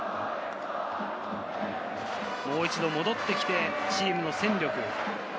もう一度、戻ってきてチームの戦力に。